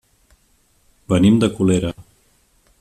Venim de Colera.